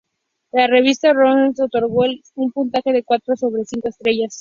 La revista "Rolling Stone" otorgó a "Reckoning" un puntaje de cuatro sobre cinco estrellas.